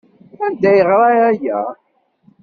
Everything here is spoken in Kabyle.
Anda ay yeɣra aya?